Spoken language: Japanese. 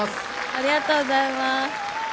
ありがとうございます。